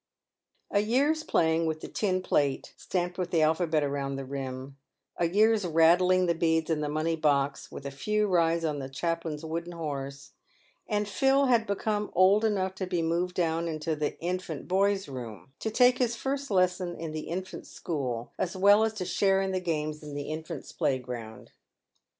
A year's playing with the tin plate, stamped with the alphabet round the rim — a year's rattling the beads in the money box, with a few rides on the chaplain's wooden horse, and Phil had become old enough to be moved down into the "infant boys' room," to take his first lessons in the infants' school, as well as to share in the games in the infants' playground.